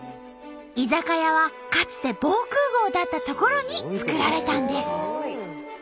居酒屋はかつて防空ごうだった所に作られたんです。